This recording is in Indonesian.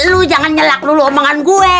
lu jangan nyelak lulu omongan gue